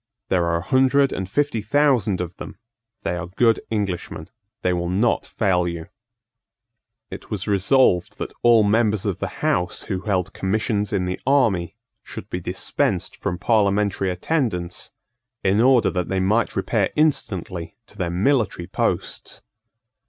There are a hundred and fifty thousand of them: they are good Englishmen: they will not fail you." It was resolved that all members of the House who held commissions in the army should be dispensed from parliamentary attendance, in order that they might repair instantly to their military posts.